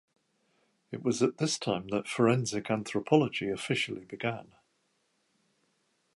It was at this time that forensic anthropology officially began.